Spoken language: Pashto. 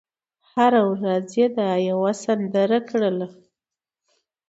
هره ورځ یې دا یوه سندره کړله